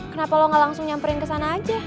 kenapa lo gak langsung nyamperin ke sana aja